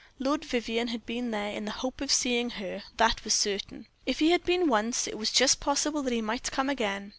Lord Vivianne had been there in the hope of seeing her, that was certain. If he had been once, it was just possible that he might come again.